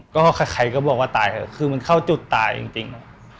ก็ใครก็บอกว่าตายเถอะคือมันเข้าจุดตายจริง